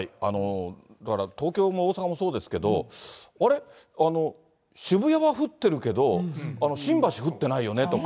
だから、東京も大阪もそうですけど、あれっ、渋谷は降ってるけど、新橋降ってないよねとか。